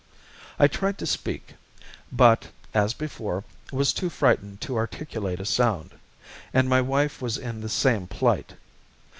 I tried to speak, but, as before, was too frightened to articulate a sound, and my wife was in the same plight.